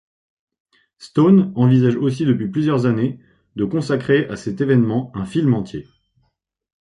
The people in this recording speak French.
Stone envisage aussi depuis plusieurs années de consacrer à cet événement un film entier.